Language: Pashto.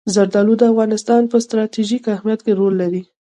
زردالو د افغانستان په ستراتیژیک اهمیت کې رول لري.